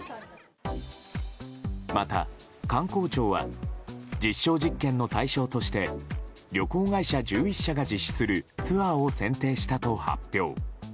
また、観光庁は実証実験の対象として旅行会社１１社が実施するツアーを選定したと発表。